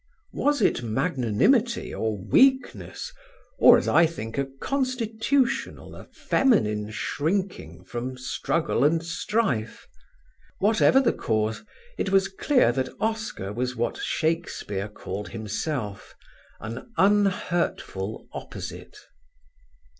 Was it magnanimity or weakness or, as I think, a constitutional, a feminine shrinking from struggle and strife. Whatever the cause, it was clear that Oscar was what Shakespeare called himself, "an unhurtful opposite."